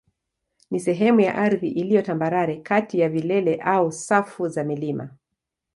ni sehemu ya ardhi iliyo tambarare kati ya vilele au safu za milima.